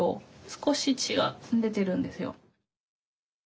少し血が出てるんですよ。